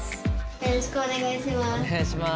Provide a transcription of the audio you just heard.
よろしくお願いします。